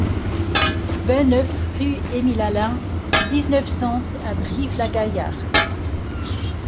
vingt-neuf rue Émile Alain, dix-neuf, cent à Brive-la-Gaillarde